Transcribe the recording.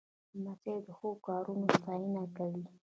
لمسی د ښو کارونو ستاینه کوي.